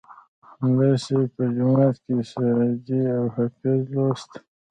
ملا صیب به جومات کې سعدي او حافظ لوست.